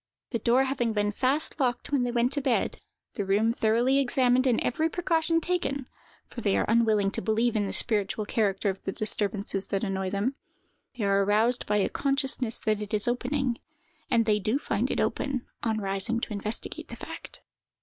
The door having been fast locked when they went to bed, the room thoroughly examined, and every precaution taken—for they are unwilling to believe in the spiritual character of the disturbances that annoy them—they are aroused by a consciousness that it is opening, and they do find it open, on rising to investigate the fact.